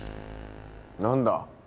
何だ？